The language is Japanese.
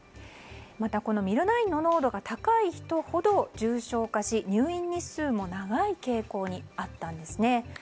また、ミルナインの濃度が高い人ほど、重症化し入院日数も長い傾向にあったんですね。